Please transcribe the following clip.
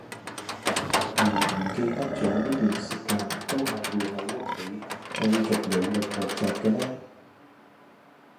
而唔記得咗呢段時間都係要喺屋企繼續努力學習嘅呢